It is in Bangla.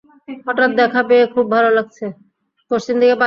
হঠাৎ দেখা পেয়ে খুব ভালো লাগছে!